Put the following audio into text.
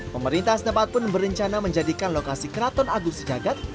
pemerintah setempat pun berencana menjadikan lokasi keraton agung sejagat